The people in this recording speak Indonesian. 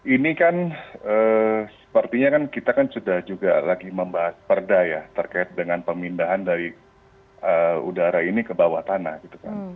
ini kan sepertinya kan kita kan sudah juga lagi membahas perda ya terkait dengan pemindahan dari udara ini ke bawah tanah gitu kan